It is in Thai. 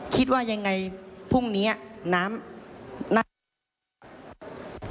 คิดว่ายังไงพรุ่งเนี้ยน้ำน้ำทะออกได้